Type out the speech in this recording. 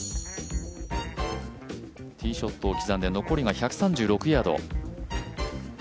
ティーショットを刻んで残りが１３６ヤード。